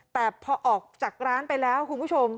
แต่พอออกจากร้านไปแล้วคุณผู้ชม